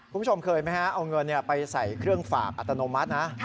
คุณผู้ชมเคยไหมฮะเอาเงินไปใส่เครื่องฝากอัตโนมัตินะ